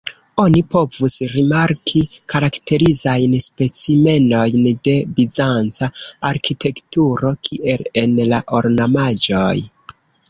Oni povus rimarki karakterizajn specimenojn de bizanca arkitekturo, kiel en la ornamaĵoj.